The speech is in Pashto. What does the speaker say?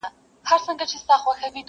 چي لیدلی مي په کومه ورځ کابل دی,